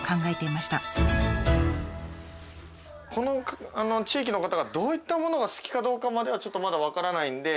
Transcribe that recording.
この地域の方がどういったものが好きかどうかまではちょっとまだ分からないので。